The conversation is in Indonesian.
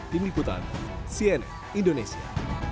tim liputan cne indonesia